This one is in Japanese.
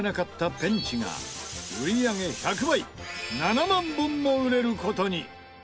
ペンチが売り上げ１００倍７万本も売れる事に！